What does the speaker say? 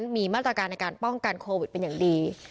มีมาตรการในการป้องกันโควิดเป็นอย่างดี